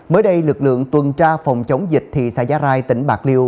mới đây lực lượng tuần tra phòng chống dịch thì xã gia rai tỉnh bạc liêu